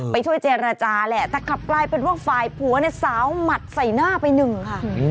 ไปช่วยเจรจาแหละแต่กลับกลายเป็นว่าฝ่ายผัวเนี่ยสาวหมัดใส่หน้าไปหนึ่งค่ะ